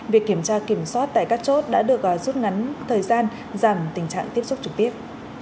việc kiểm tra kiểm soát tại các chốt đã được rút ngắn thời gian giảm tình trạng tiếp xúc trực tiếp